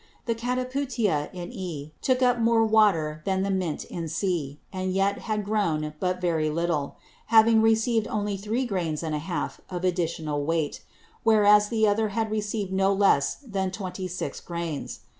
The Cataputia in E, took up more Water than the Mint in C, and yet had grown but very little, having received only three Grains and an half of additional weight; whereas the other had received no less than twenty six Grains.